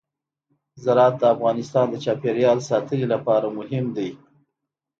زراعت د افغانستان د چاپیریال ساتنې لپاره مهم دي.